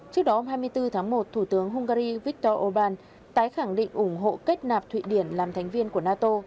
trước đó hai mươi bốn tháng một thủ tướng hungary viktor orbán tái khẳng định ủng hộ kết nạp thụy điển làm thành viên của nato